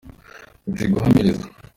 nzi guhamiriza.